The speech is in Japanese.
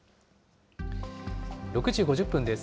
６時５０分です。